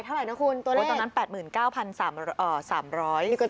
เท่าไหร่นะคุณตัวเลขตอนนั้น๘๙๓๐๐